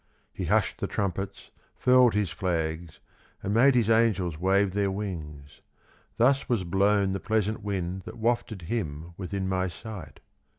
He hushed the trumpets, furled his flags, And made his angels wave their wings; Thus was blown the pleasant wind That wafted him within my sight.